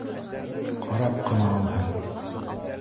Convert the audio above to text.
Ҡарап ҡына алһын